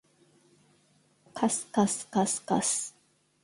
かすかすかすかす